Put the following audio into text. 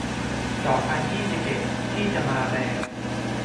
สองพันยี่สิบเอ็ด ที่จะมาแรง